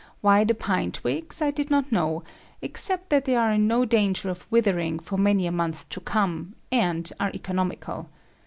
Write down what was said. Why the pine twigs, I did not know, except that they are in no danger of withering for many a month to come, and are economical.